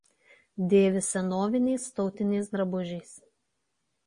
Dėvi senoviniais tautiniais drabužiais.